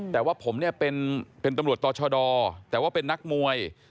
แต่ว่าผมเนี่ยเป็นตำรวจต่อชดแต่ว่าเป็นนักมวย